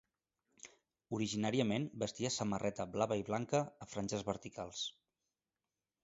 Originàriament vestia samarreta blava i blanca a franges verticals.